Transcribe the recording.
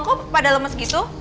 kenapa pada lemes gitu